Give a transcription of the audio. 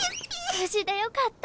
無事でよかった。